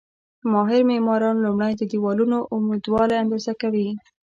ماهر معماران لومړی د دېوالونو عمودوالی اندازه کوي.